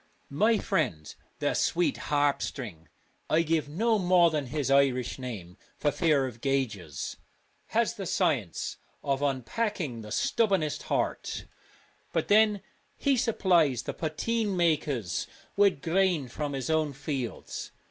My friend, ' the sweet Harp String' (I give no more than his Irish name for fear of gaugers), has the science of unpacking the stubbornest heart, but then he supplies the poteen makers with grain from his own fields.